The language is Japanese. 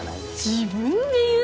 自分で言う？